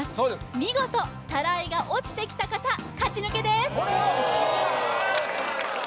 見事タライが落ちてきた方勝ち抜けです